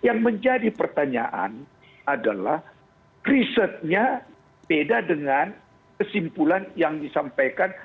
yang menjadi pertanyaan adalah risetnya beda dengan kesimpulan yang disampaikan